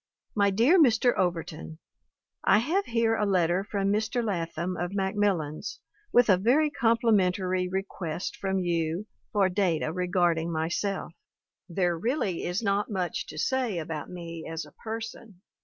"My dear Mr. Overton: " T HAVE here a letter from Mr. Latham of Mac millans with a very complimentary request from you for data regarding myself. There really is not much to say about me as a person.